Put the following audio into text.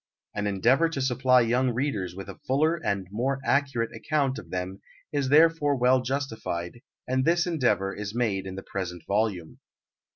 An endeavour to supply young readers with a fuller and more accurate account of them is therefore well justified, and this endeavour is made in the present volume.